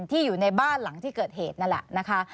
อยู่ในบ้านหลังที่เกิดเหตุนั่นแหละนะคะ